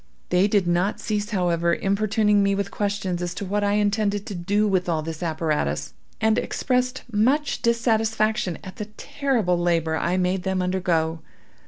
They did not cease, however, importuning me with questions as to what I intended to do with all this apparatus, and expressed much dissatisfaction at the terrible labor I made them undergo.